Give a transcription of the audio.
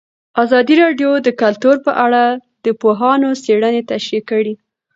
ازادي راډیو د کلتور په اړه د پوهانو څېړنې تشریح کړې.